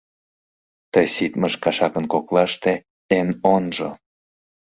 Ты ситмыж кашакын коклаште эн онжо, —